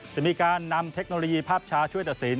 จะมีการนำเทคโนโลยีภาพชาช่วยตัดสิน